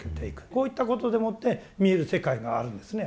こういったことでもって見える世界があるんですね。